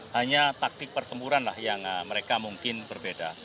hanya taktik pertempuran lah yang mereka mungkin berbeda